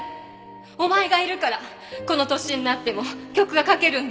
「お前がいるからこの年になっても曲が書けるんだ」